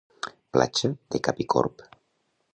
Platja de Capicorb